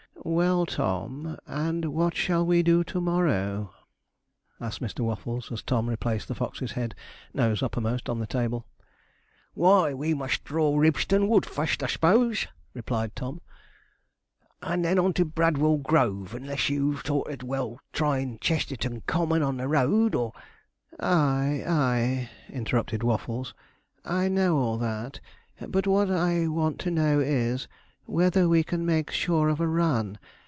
'Well, Tom, and what shall we do to morrow?' asked Mr. Waffles, as Tom replaced the Fox's head, nose uppermost, on the table. [Illustration: OLD TOM TOWLER] 'Why, we must draw Ribston Wood fust, I s'pose,' replied Tom, 'and then on to Bradwell Grove, unless you thought well of tryin' Chesterton Common on the road, or ' 'Aye, aye,' interrupted Waffles, 'I know all that; but what I want to know is, whether we can make sure of a run.